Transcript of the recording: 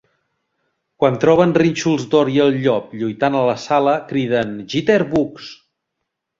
Quan troben Rínxols d"or i el llop lluitant a la sala, criden Jitterbugs!